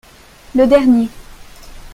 Le dernier.